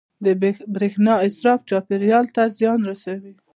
• د برېښنا اسراف چاپېریال ته زیان رسوي.